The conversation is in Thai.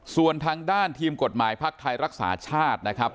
ส่วนทางด้านทีมกฎหมายภักดิ์ไทยรักษาชาตินะครับ